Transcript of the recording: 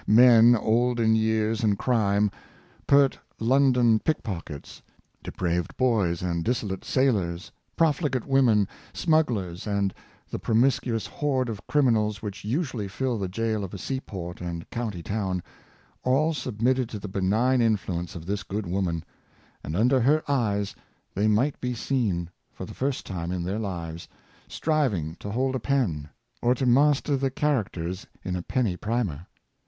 Men old in years and crime, pert London pickpockets, depraved boys and dissolute sailors, profligate women, smugglers and the promiscuous horde of criminals which usually fill the jail of a sea port and county town, all submitted to the benign influence of this good woman; and under her eyes they might be seen, for the first time in their lives, striving to hold a pen, or to master the charac ters in a penny primer.